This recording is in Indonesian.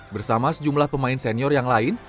bersama sejumlah pemain senior yang lain